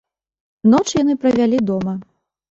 Ноч яны правялі дома.